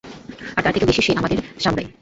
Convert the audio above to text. আর তার থেকেও বেশি, সে আমাদের সামুরাই।